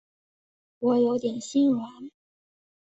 我有点心软